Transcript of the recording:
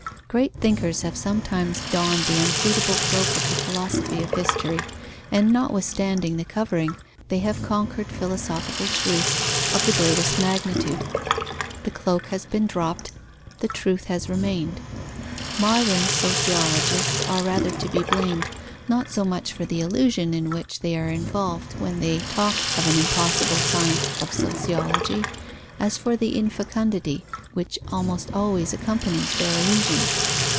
Great thinkers have sometimes donned the unsuitable cloak of the philosophy of history, and notwithstanding the covering, they have conquered philosophical truths of the greatest magnitude. The cloak has been dropped, the truth has remained. Modern sociologists are rather to be blamed, not so much for the illusion in which they are involved when they talk of an impossible science of sociology, as for the infecundity which almost always accompanies their illusion.